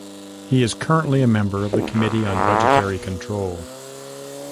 He is currently a member of the Committee on Budgetary Control.